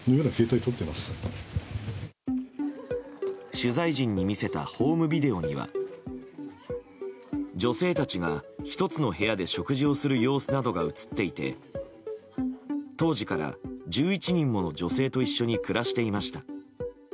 取材陣に見せたホームビデオには女性たちが１つの部屋で食事をする様子などが映っていて、当時から１１人もの女性と一緒に暮らしていました。